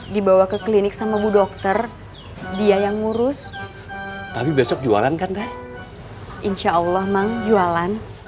dibawa ke klinik sama bu dokter dia yang ngurus tapi besok jualan kan teh insya allah mang jualan